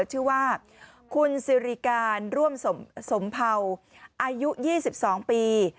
ชื่อว่าคุณสิริการร่วมสมเภาอายุ๒๒ปี